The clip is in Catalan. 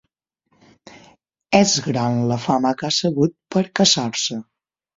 És gran la fama que ha sabut percaçar-se.